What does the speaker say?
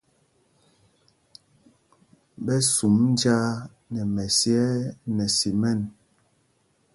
Ɓɛ sum njāā nɛ mɛsyɛɛ nɛ simɛn.